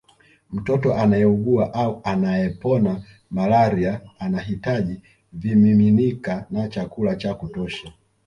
Mtoto anayeugua au anayepona malaria anahitaji vimiminika na chakula cha kutosha